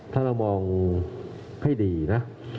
ถ้าเรามองให้ดีนะ